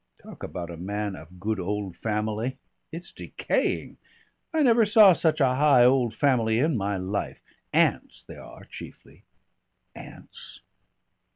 Talk about a man of good old family it's decaying! I never saw such a high old family in my life. Aunts they are chiefly." "Aunts?"